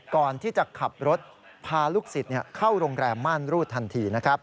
ก่อนที่จะขับรถพาลูกศิษย์เข้าโรงแรมม่านรูดทันทีนะครับ